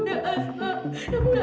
dirayahi ulang tahun